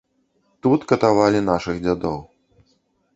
Тут катавалі нашых дзядоў.